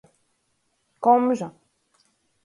Komža.